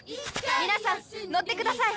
皆さん乗ってください。